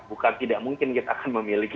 bukan tidak mungkin kita akan memiliki